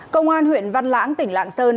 công an huyện văn lãng tỉnh lạng sơn